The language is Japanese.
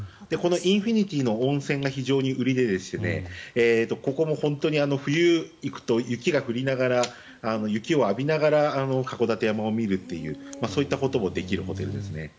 インフィニティーの温泉が非常に売りでここも本当に冬に行くと雪が降りながら雪を浴びながら函館山を見るというそういったこともできるホテルです。